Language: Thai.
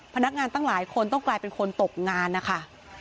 พนักงานตั้งหลายคนต้องกลายเป็นคนตกงานนะคะ